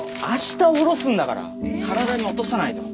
体に落とさないと。